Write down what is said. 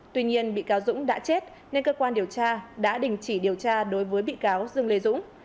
tuy nhiên bị cáo dũng đã chết nên cơ quan điều tra đã đình chỉ điều tra đối với bị cáo dương lê dũng